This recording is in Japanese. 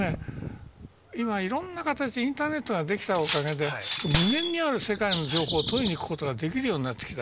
今いろんな形でインターネットができたおかげで無限にある世界の情報を取りに行くことができるようになってきた。